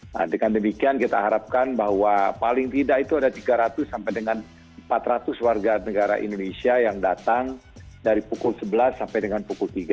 nah dengan demikian kita harapkan bahwa paling tidak itu ada tiga ratus sampai dengan empat ratus warga negara indonesia yang datang dari pukul sebelas sampai dengan pukul tiga